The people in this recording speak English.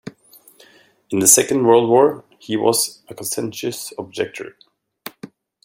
In the Second World War, he was a conscientious objector.